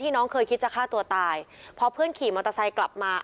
น้องเคยคิดจะฆ่าตัวตายพอเพื่อนขี่มอเตอร์ไซค์กลับมา